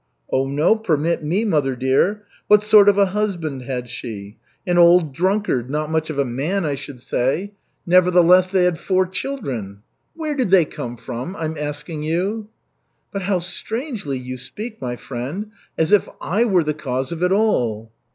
"Oh, no, permit me, mother dear. What sort of a husband had she? An old drunkard, not much of a man, I should say. Nevertheless, they had four children. Where did they come from, I'm asking you?" "But how strangely you speak, my friend. As if I were the cause of it all."